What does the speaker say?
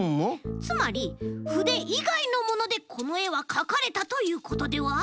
つまりふでいがいのものでこのえはかかれたということでは？